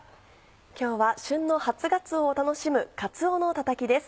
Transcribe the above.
今日は旬の初がつおを楽しむ「かつおのたたき」です。